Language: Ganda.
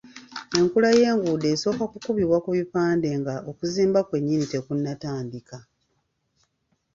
Enkula y'enguudo esooka kukubibwa ku bipande nga okuzimba kwe nnyini tekunnatandika.